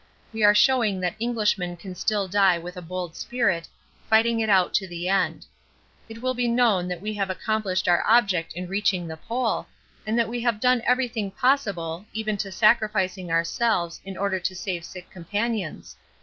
We are showing that Englishmen can still die with a bold spirit, fighting it out to the end. It will be known that we have accomplished our object in reaching the Pole, and that we have done everything possible, even to sacrificing ourselves in order to save sick companions.